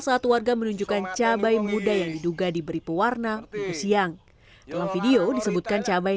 saat warga menunjukkan cabai muda yang diduga diberi pewarna siang dalam video disebutkan cabai